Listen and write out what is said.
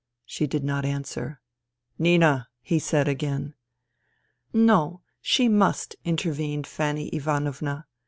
She did not answer. " Nina," he said again. " No, she must," intervened Fanny Ivanovna.